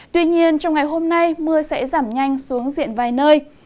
tuy nhiên trong ngày hôm nay mưa sẽ giảm nhanh xuống diện vài nơi